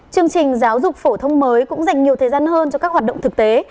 chương trình giáo dục phổ thông mới cũng dành nhiều thời gian hơn cho các hoạt động thực tế